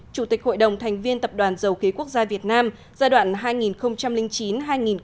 chủ tịch hội đồng thành viên tập đoàn dầu khí quốc gia việt nam giai đoạn hai nghìn chín hai nghìn một mươi